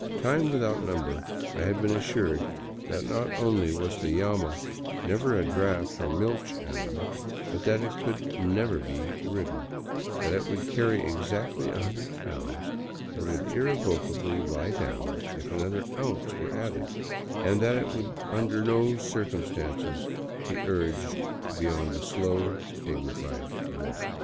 Times without number I had been assured that not only was the llama never a draft or a milch animal, but that it could never be ridden; that it would carry exactly a hundred pounds and would irrevocably lie down if another ounce were added, and that it could under no circumstances be urged beyond a slow, dignified walk.